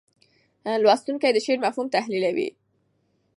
لوستونکي د شعر مفهوم تحلیلوي.